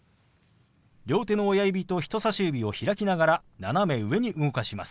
両手の親指と人さし指を開きながら斜め上に動かします。